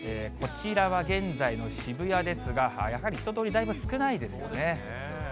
こちらは現在の渋谷ですが、やはり人通り、だいぶ少ないですよね。